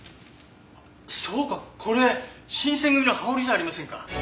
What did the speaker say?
そうかこれ新選組の羽織じゃありませんか？